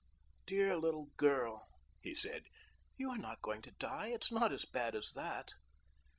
"Dear little girl," he said, "you are not going to die. It is not as bad as that."